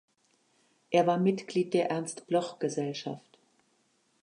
Er war Mitglied der Ernst-Bloch-Gesellschaft.